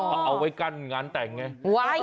ก็เอาไว้กั้นงานแต่งไง